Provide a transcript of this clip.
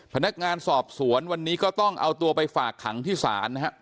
พนักงานสอบสวนวันนี้ก็ต้องเอาตัวไปฝากขังที่ศาลนะฮะ